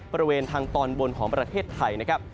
บริเวณทางตอนบนของประเทศไทยนะครับ